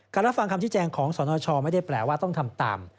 รับฟังคำชี้แจงของสนชไม่ได้แปลว่าต้องทำตาม